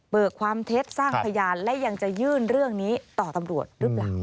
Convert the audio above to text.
ความเท็จสร้างพยานและยังจะยื่นเรื่องนี้ต่อตำรวจหรือเปล่า